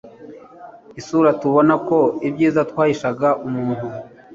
isura tubona ko ibyiza twashinga umuntu